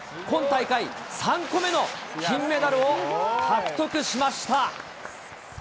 今大会３個目の金メダルを獲得しました。